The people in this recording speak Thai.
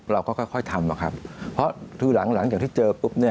เราก็ค่อยทำครับเพราะคือหลังจากที่เจอปุ๊บ